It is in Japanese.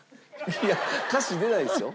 いや歌詞出ないですよ。